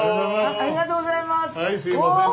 ありがとうございます。